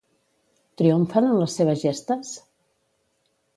Triomfen en les seves gestes?